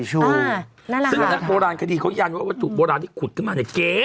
ซึ่งนักโบราณคดีเขายันว่าวัตถุโบราณที่ขุดขึ้นมาเนี่ยเก๊